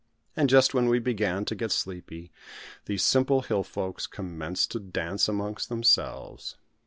And just when we began to get sleepy these simple hill folks commenced to dance amongst themselves.